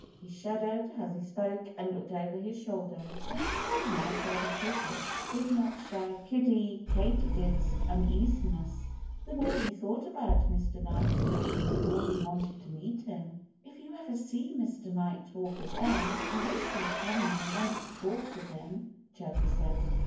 He shuddered as he spoke and looked over his shoulder. Somehow Chirpy Cricket did not share Kiddie Katydid's uneasiness. The more he thought about Mr. Nighthawk the more he wanted to meet him. "If you ever see Mr. Nighthawk again I wish you'd tell him I want to talk with him," Chirpy said.